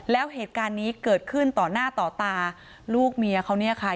แล้วเหตุการณ์นี้เกิดขึ้นต่อหน้าต่อตาลูกเมียเขาเนี่ยค่ะ